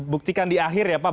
buktikan di akhir ya pak